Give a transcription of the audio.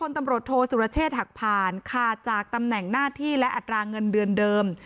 ตำรวจโทษสุรเชษฐ์หักผ่านขาดจากตำแหน่งหน้าที่และอัตราเงินเดือนเดิม